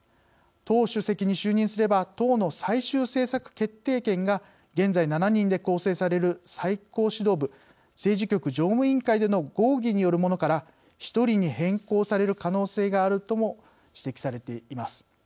党主席に就任すれば党の最終政策決定権が現在７人で構成される最高指導部政治局常務委員会での合議によるものから１人に変更される可能性があるとも指摘されています。